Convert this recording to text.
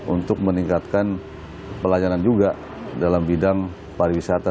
untuk meningkatkan pelayanan juga dalam bidang pariwisata